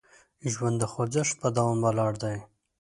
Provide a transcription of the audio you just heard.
ژوند د خوځښت په دوام ولاړ دی.